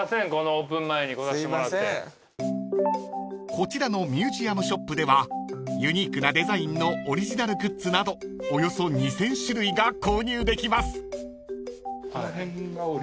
［こちらのミュージアムショップではユニークなデザインのオリジナルグッズなどおよそ２，０００種類が購入できます］